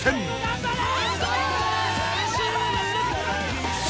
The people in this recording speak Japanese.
頑張れ！